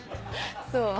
そう。